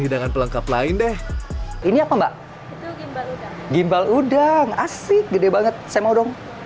hidangan pelengkap lain deh ini apa mbak gimbal udang asik gede banget saya mau dong